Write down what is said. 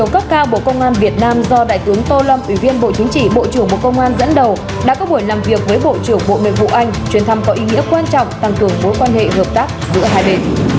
các bạn hãy đăng ký kênh để ủng hộ kênh của chúng mình nhé